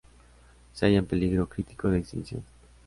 Se halla en peligro crítico de extinción.